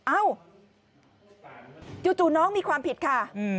เอ้าจู่น้องมีความผิดค่ะ